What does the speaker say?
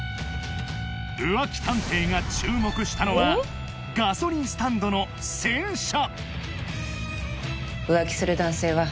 浮気探偵が注目したのはガソリンスタンドの洗車